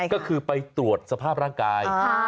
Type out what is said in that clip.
ก็คือไปตรวจสภาพร่างกาย